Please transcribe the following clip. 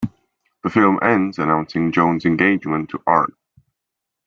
The film ends announcing Joan's engagement to Art.